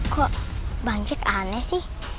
kok bang jack aneh sih